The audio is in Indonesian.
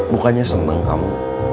bukannya seneng kamu